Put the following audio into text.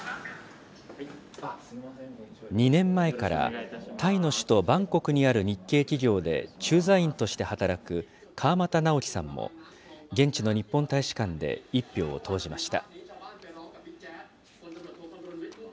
２年前から、タイの首都バンコクにある日系企業で、駐在員として働く川俣尚貴さんも、現地の日本大使館で一票を投じました。